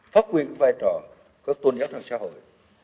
phát quyền các vai trò của tôn giáo trong xã hội